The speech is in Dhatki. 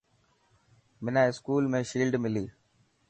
منا اسڪول ۾ شيلڊ ملي.